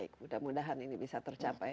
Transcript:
mudah mudahan ini bisa tercapai